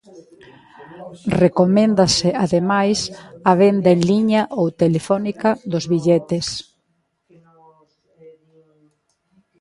Recoméndase, ademais, a venda en liña ou telefónica dos billetes.